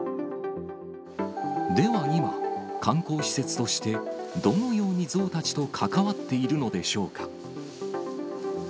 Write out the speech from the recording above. では今、観光施設としてどのようにゾウたちと関わっているのでしょうか。